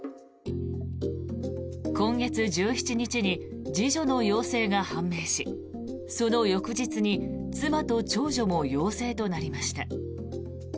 今月１７日に次女の陽性が判明しその翌日に妻と長女も陽性となりました。